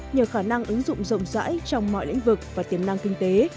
nhờ khả năng ứng dụng rộng rãi trong mọi lĩnh vực và tiềm năng kinh tế